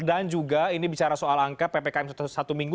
dan juga ini bicara soal angka ppkm satu minggu